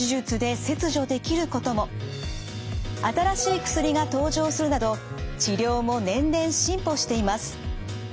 新しい薬が登場するなど治療も年々進歩しています。